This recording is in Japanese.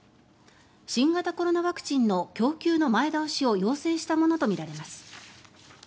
新型コロナワクチンの供給の前倒しを要請したものとみられます。